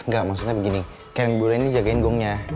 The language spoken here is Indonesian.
gak maksudnya begini kalian boleh ini jagain gongnya